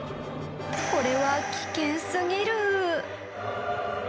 これは危険すぎる！